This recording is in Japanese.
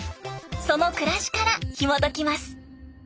その暮らしからひもときます。